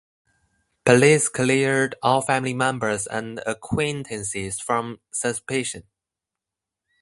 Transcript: Police cleared all family members and acquaintances from suspicion.